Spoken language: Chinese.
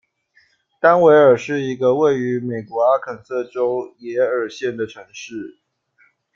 丹维尔是一个位于美国阿肯色州耶尔县的城市。